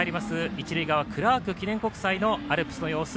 一塁側クラーク記念国際のアルプスの様子